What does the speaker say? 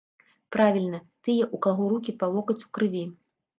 Правільна, тыя, у каго рукі па локаць у крыві.